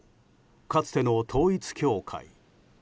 かつての統一教会。